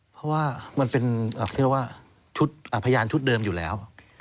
เพราะว่ามันเป็นเขาเรียกว่าชุดพยานชุดเดิมอยู่แล้ว